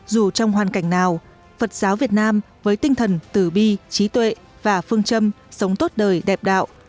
dù trong hoàn cảnh nào phật giáo việt nam với tinh thần tử bi trí tuệ và phương châm sống tốt đời đẹp đạo